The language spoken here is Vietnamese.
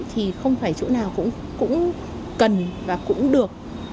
thì không phải chỗ nào cũng cần và cũng được